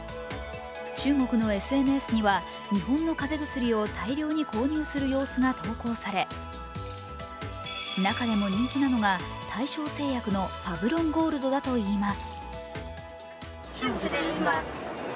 中国のＳＮＳには、日本の風邪薬を大量に購入する様子が投稿され中でも人気なのが大正製薬のパブロンゴールドだといいます。